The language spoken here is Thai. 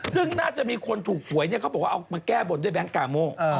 ซึ่งน่าจะมีคนถูกหวยเนี่ยเขาบอกว่าเอามาแก้บนด้วยแก๊งกาโม